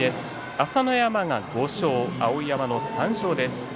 朝乃山が５勝、碧山の３勝です。